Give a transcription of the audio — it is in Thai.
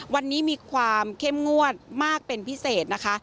วันนี้มีความเข้มงวดมากเป็นพิเศษนะคะ